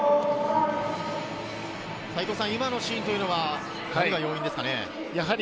今のシーンというのはどんな要因ですか？